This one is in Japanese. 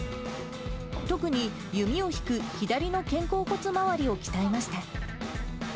特に弓を引く左の肩甲骨周りを鍛えました。